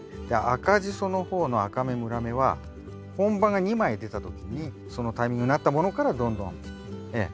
赤ジソの方の赤芽紫芽は本葉が２枚出た時にそのタイミングになったものからどんどんええ